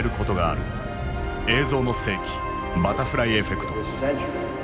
「映像の世紀バタフライエフェクト」。